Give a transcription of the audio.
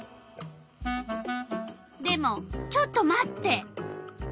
でもちょっと待って。